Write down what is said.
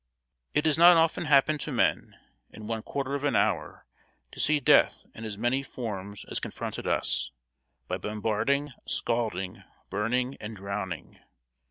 ] It does not often happen to men, in one quarter of an hour, to see death in as many forms as confronted us by bombarding, scalding, burning, and drowning.